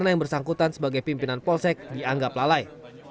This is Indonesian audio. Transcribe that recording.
yang dianggap lalai